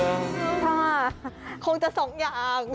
น้ำตาคงจะสองอย่าง